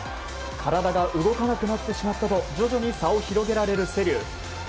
体が動かなくなってしまったと徐々に差を広げられる瀬立。